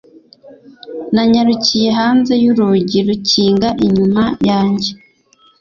Nanyarukiye hanze urugi rukinga inyuma yanjye